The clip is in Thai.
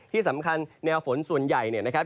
ที่สำคัญแนวฝนส่วนใหญ่เนี่ยนะครับ